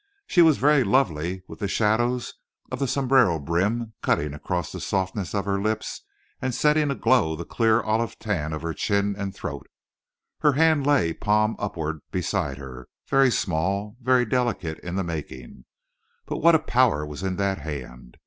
She was very lovely with the shadows of the sombrero brim cutting across the softness of her lips and setting aglow the clear olive tan of her chin and throat. Her hand lay palm upward beside her, very small, very delicate in the making. But what a power was in that hand!